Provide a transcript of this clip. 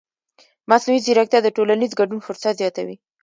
مصنوعي ځیرکتیا د ټولنیز ګډون فرصت زیاتوي.